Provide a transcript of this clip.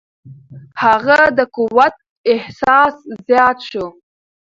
هغه د قوت احساس زیات شو.